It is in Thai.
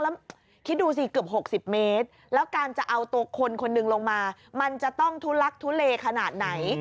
แล้วคิดดูสิเกือบ๖๐เมตรแล้วการจะเอาตัวคนคนหนึ่งลงมามันจะต้องทุลักทุเลขนาดไหน